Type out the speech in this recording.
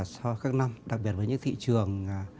so với các năm đặc biệt với những thị trường